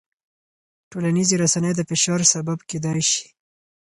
ټولنیزې رسنۍ د فشار سبب کېدای شي.